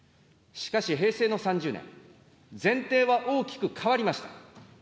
しかし、平成の３０年、前提は大きく変わりました。